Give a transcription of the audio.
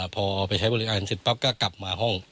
พอไปใช้บริการเสร็จปั๊บก็กลับมาห้อง